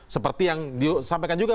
seperti yang disampaikan juga